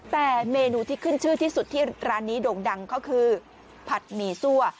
แต่เมนูที่ขึ้นชื่อที่สุดที่ร้านนี้โด่งดังก็คือผัดหมี่ซั่ว